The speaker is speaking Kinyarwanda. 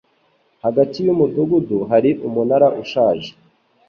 Hagati yumudugudu hari umunara ushaje.